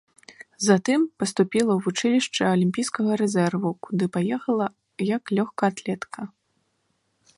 Затым паступіла ў вучылішча алімпійскага рэзерву, куды паехала як лёгкаатлетка.